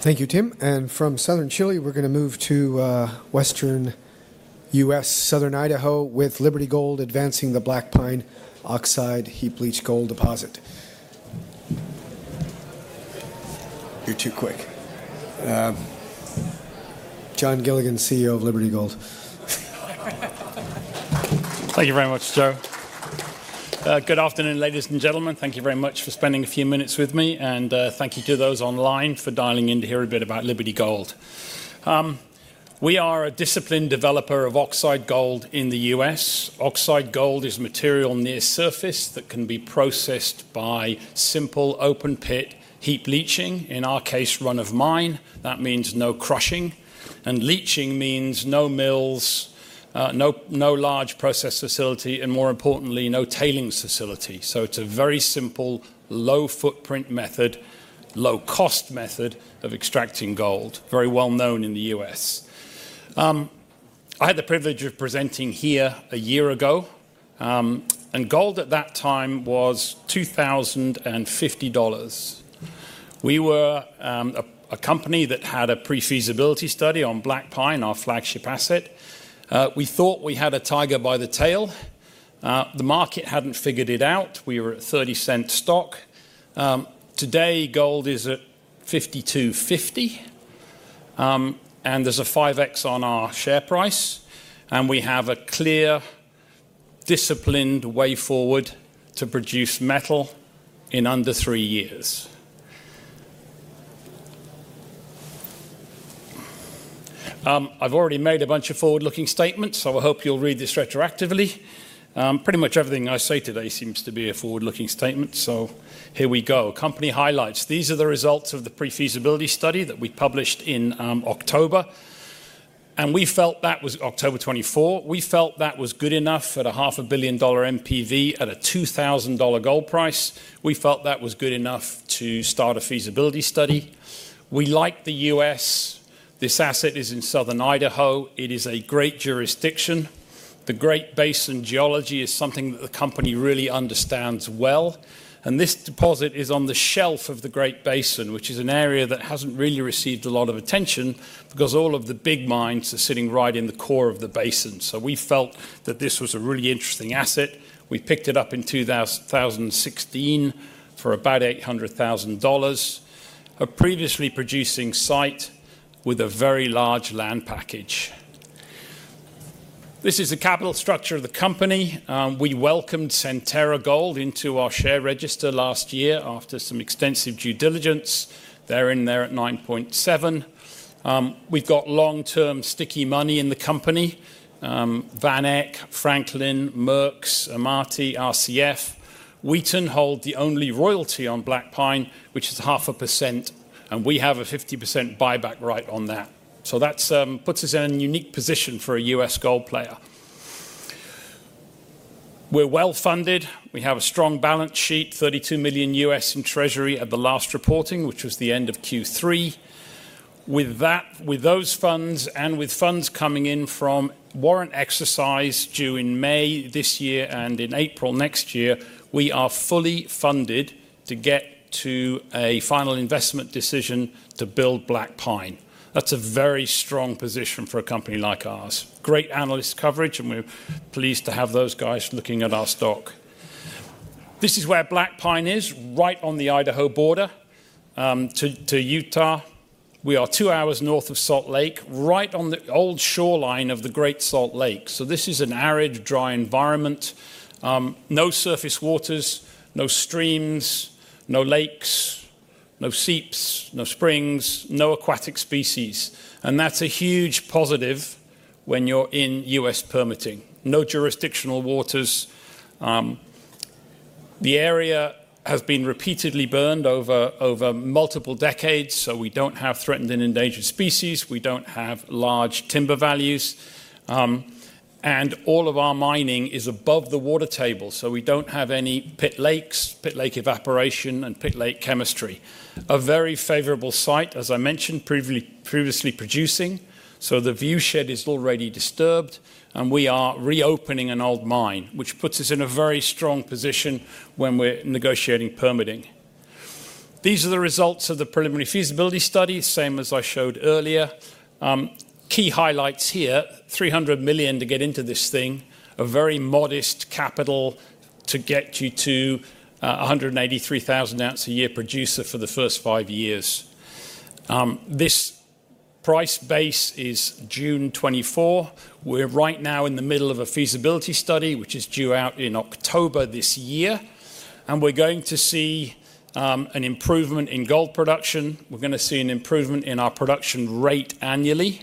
Thank you, Tim. From Southern Chile, we're gonna move to Western U.S., Southern Idaho, with Liberty Gold advancing the Blackpine oxide heap-leached gold deposit. You're too quick. Jon Gilligan, CEO of Liberty Gold. Thank you very much, Joe. Good afternoon, ladies and gentlemen. Thank you very much for spending a few minutes with me, and thank you to those online for dialing in to hear a bit about Liberty Gold. We are a disciplined developer of oxide gold in the U.S. Oxide gold is material near surface that can be processed by simple open pit heap leaching, in our case, run-of-mine. That means no crushing. Leaching means no mills, no large process facility, and more importantly, no tailings facility. It's a very simple, low-footprint method, low-cost method of extracting gold, very well known in the U.S. I had the privilege of presenting here a year ago, gold at that time was $2,050. We were a company that had a pre-feasibility study on Blackpine, our flagship asset. We thought we had a tiger by the tail. The market hadn't figured it out. We were a $0.30 stock. Today, gold is at $52.50, and there's a 5x on our share price, and we have a clear, disciplined way forward to produce metal in under 3 years. I've already made a bunch of forward-looking statements, so I hope you'll read this retroactively. Pretty much everything I say today seems to be a forward-looking statement, so here we go. Company highlights. These are the results of the pre-feasibility study that we published in October, and we felt that was October 24th. We felt that was good enough at a half a billion dollar NPV at a $2,000 gold price. We felt that was good enough to start a feasibility study. We like the U.S. This asset is in southern Idaho. It is a great jurisdiction. The Great Basin geology is something that the company really understands well. This deposit is on the shelf of the Great Basin, which is an area that hasn't really received a lot of attention because all of the big mines are sitting right in the core of the basin. We felt that this was a really interesting asset. We picked it up in 2016 for about $800,000, a previously producing site with a very large land package. This is the capital structure of the company. We welcomed Centerra Gold into our share register last year after some extensive due diligence. They're in there at 9.7%. We've got long-term sticky money in the company, VanEck, Franklin, Merk, Amati, RCF. Wheaton hold the only royalty on Blackpine, which is 0.5%, and we have a 50% buyback right on that. That's puts us in a unique position for a U.S. gold player. We're well-funded. We have a strong balance sheet, $32 million in treasury at the last reporting, which was the end of Q3. With that, with those funds and with funds coming in from warrant exercise due in May this year and in April next year, we are fully funded to get to a final investment decision to build Blackpine. That's a very strong position for a company like ours. Great analyst coverage, we're pleased to have those guys looking at our stock. This is where Blackpine is, right on the Idaho border, to Utah. We are two hours north of Salt Lake, right on the old shoreline of the Great Salt Lake. This is an arid, dry environment, no surface waters, no streams, no lakes, no seeps, no springs, no aquatic species. That's a huge positive when you're in U.S. permitting. No jurisdictional waters. The area has been repeatedly burned over multiple decades, so we don't have threatened and endangered species. We don't have large timber values. All of our mining is above the water table, so we don't have any pit lakes, pit lake evaporation, and pit lake chemistry. A very favorable site, as I mentioned, previously producing, so the viewshed is already disturbed, and we are reopening an old mine, which puts us in a very strong position when we're negotiating permitting. These are the results of the pre-feasibility study, same as I showed earlier. Key highlights here, $300 million to get into this thing, a very modest capital to get you to 183,000 ounce a year producer for the first 5 years. This price base is June 2024. We're right now in the middle of a feasibility study, which is due out in October this year, and we're going to see an improvement in gold production. We're gonna see an improvement in our production rate annually.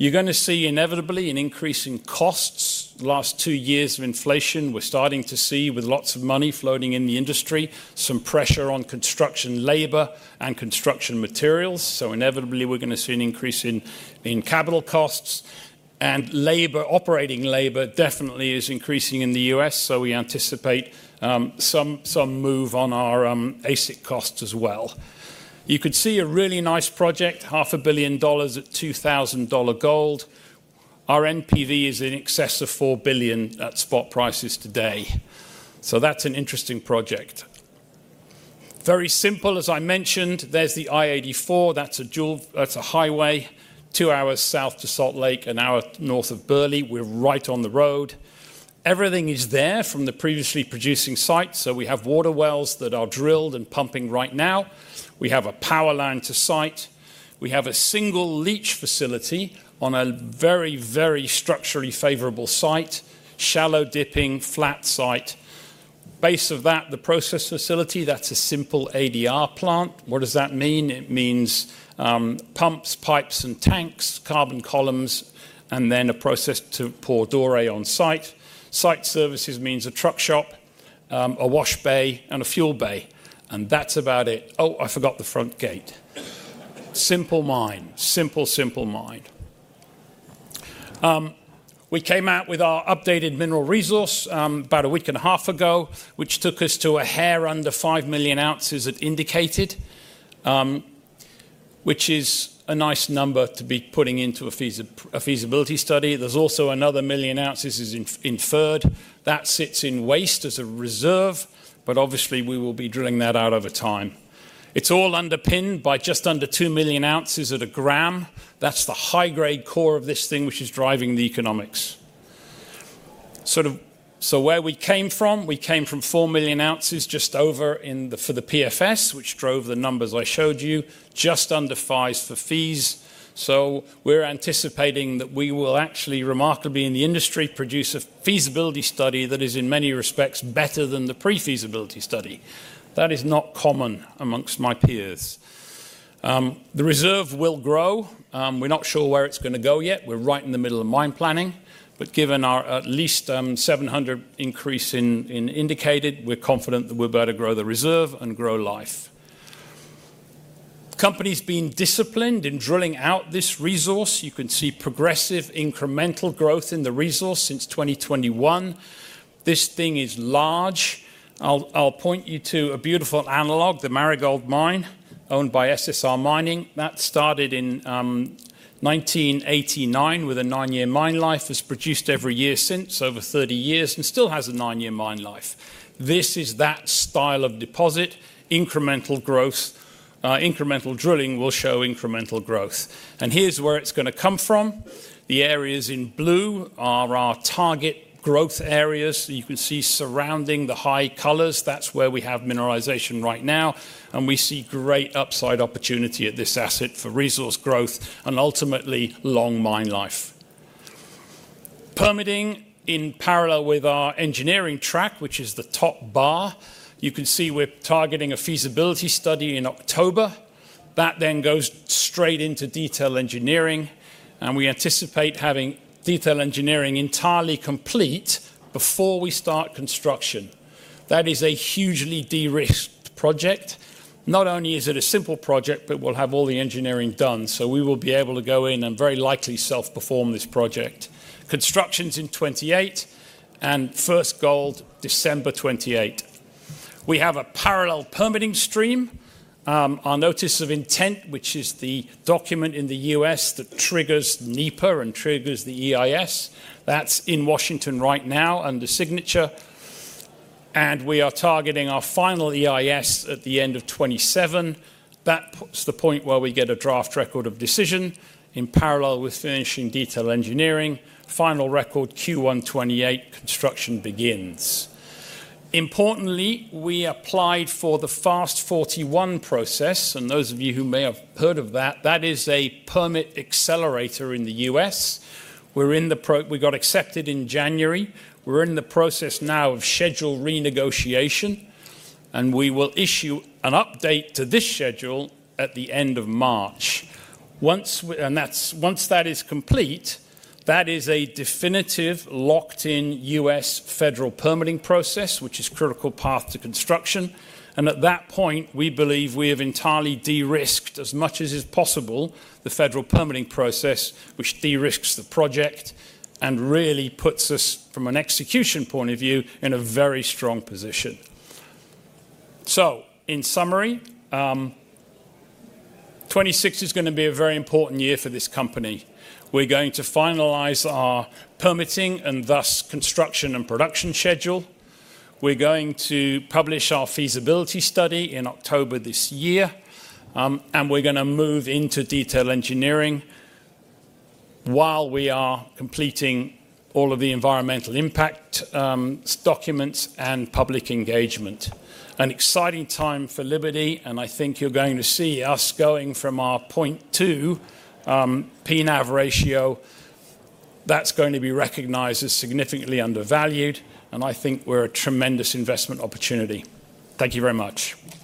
You're gonna see inevitably an increase in costs. The last 2 years of inflation, we're starting to see, with lots of money floating in the industry, some pressure on construction labor and construction materials. Inevitably, we're gonna see an increase in capital costs. Labor, operating labor definitely is increasing in the U.S., so we anticipate some move on our basic costs as well. You could see a really nice project, half a billion dollars at $2,000 gold. Our NPV is in excess of $4 billion at spot prices today. That's an interesting project. Very simple, as I mentioned, there's the I-84, that's a highway, 2 hours south to Salt Lake, 1 hour north of Burley. We're right on the road. Everything is there from the previously producing site. We have water wells that are drilled and pumping right now. We have a power line to site. We have a single leach facility on a very structurally favorable site, shallow dipping, flat site. Base of that, the process facility, that's a simple ADR plant. What does that mean? It means pumps, pipes, and tanks, carbon columns, and then a process to pour doré on site. Site services means a truck shop, a wash bay, and a fuel bay, and that's about it. Oh, I forgot the front gate. Simple mine. Simple, simple mine. We came out with our updated mineral resource about a week and a half ago, which took us to a hair under 5 million ounces it indicated, which is a nice number to be putting into a feasibility study. There's also another 1 million ounces is inferred. That sits in waste as a reserve. Obviously we will be drilling that out over time. It's all underpinned by just under 2 million ounces at 1 gram. That's the high-grade core of this thing which is driving the economics. Where we came from, we came from 4 million ounces just over for the PFS, which drove the numbers I showed you, just under 5 for fees. We're anticipating that we will actually, remarkably in the industry, produce a feasibility study that is in many respects better than the pre-feasibility study. That is not common amongst my peers. The reserve will grow. We're not sure where it's gonna go yet. We're right in the middle of mine planning. Given our at least 700 increase in indicated, we're confident that we're about to grow the reserve and grow life. Company's been disciplined in drilling out this resource. You can see progressive incremental growth in the resource since 2021. This thing is large. I'll point you to a beautiful analog, the Marigold Mine, owned by SSR Mining. That started in 1989 with a 9-year mine life. It's produced every year since, over 30 years, and still has a 9-year mine life. This is that style of deposit, incremental growth. Incremental drilling will show incremental growth. Here's where it's gonna come from. The areas in blue are our target growth areas. You can see surrounding the high colors, that's where we have mineralization right now, and we see great upside opportunity at this asset for resource growth and ultimately long mine life. Permitting in parallel with our engineering track, which is the top bar. You can see we're targeting a feasibility study in October. That then goes straight into detail engineering. We anticipate having detail engineering entirely complete before we start construction. That is a hugely de-risked project. Not only is it a simple project, but we'll have all the engineering done, so we will be able to go in and very likely self-perform this project. Construction's in 2028, and first gold, December 2028. We have a parallel permitting stream. Our notice of intent, which is the document in the U.S. that triggers NEPA and triggers the EIS, that's in Washington right now under signature, and we are targeting our final EIS at the end of 2027. That puts the point where we get a draft record of decision in parallel with finishing detail engineering. Final record Q1 2028, construction begins. Importantly, we applied for the FAST-41 process, and those of you who may have heard of that is a permit accelerator in the U.S. We got accepted in January. We're in the process now of schedule renegotiation. We will issue an update to this schedule at the end of March. Once that is complete, that is a definitive locked-in U.S. federal permitting process, which is critical path to construction. At that point, we believe we have entirely de-risked as much as is possible the federal permitting process, which de-risks the project and really puts us, from an execution point of view, in a very strong position. In summary, 2026 is gonna be a very important year for this company. We're going to finalize our permitting and thus construction and production schedule. We're going to publish our feasibility study in October this year, and we're gonna move into detail engineering while we are completing all of the environmental impact documents and public engagement. An exciting time for Liberty, and I think you're going to see us going from our 0.2 PNAV ratio. That's going to be recognized as significantly undervalued, and I think we're a tremendous investment opportunity. Thank you very much.